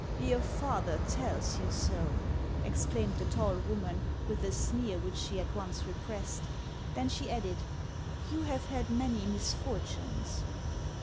"Your father tells you so!" exclaimed the tall woman, with a sneer which she at once repressed. Then she added :" You have had many misfortunes